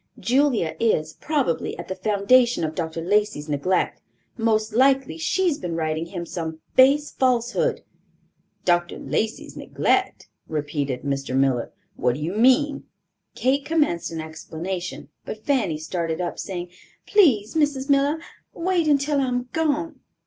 Julia is, probably, at the foundation of Dr. Lacey's neglect. Most likely she's been writing him some base falsehood." "Dr. Lacey's neglect!" repeated Mr. Miller. "What do you mean?" Kate commenced an explanation, but Fanny started up, saying: "Please, Mrs. Miller, wait until I am gone."